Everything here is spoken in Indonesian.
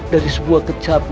dari sebuah kecap